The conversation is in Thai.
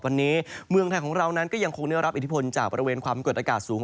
วันนี้เมืองไทยของเรานั้นก็ยังคงได้รับอิทธิพลจากบริเวณความกดอากาศสูง